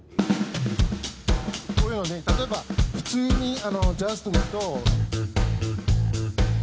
こういうので例えば普通にジャストにいくと。